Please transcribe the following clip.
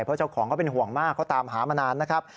เพราะเจ้าของเขาเป็นห่วงมากเขาตามหามานานนะครับ